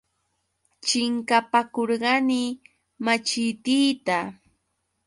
Chinkapakurqani machitiita.